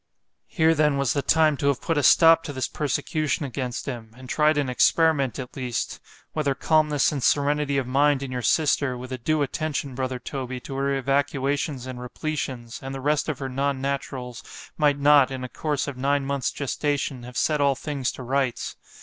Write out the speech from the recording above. —— Here then was the time to have put a stop to this persecution against him;——and tried an experiment at least——whether calmness and serenity of mind in your sister, with a due attention, brother Toby, to her evacuations and repletions——and the rest of her non naturals, might not, in a course of nine months gestation, have set all things to rights.